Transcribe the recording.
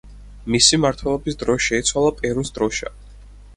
მისი მმართველობის დროს შეიცვალა პერუს დროშა.